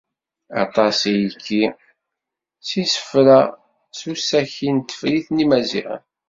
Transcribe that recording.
Aṭas i yekki s yisefra-s deg usaki n tefrit n Yimaziɣen.